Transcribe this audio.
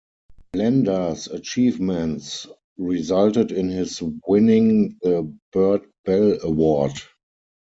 Blanda's achievements resulted in his winning the Bert Bell Award.